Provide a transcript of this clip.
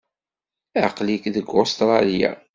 Aql-ik deg Ustṛalya?